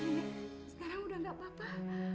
ini sekarang udah gak apa apa